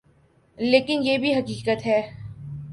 لیکن یہ بھی حقیقت ہے۔